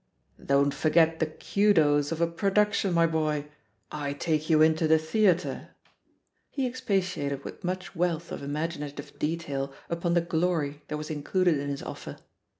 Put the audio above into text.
"Don't forget the kudos of a production, my boy — I take you into the Theatre 1" He ex patiated with much wealth of imaginative detail upon the glory that was included in his offer.